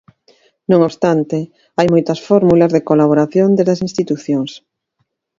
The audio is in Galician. Non obstante, hai moitas fórmulas de colaboración desde as institucións.